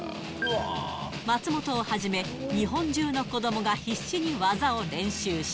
松本をはじめ、日本中の子どもが必死に技を練習した。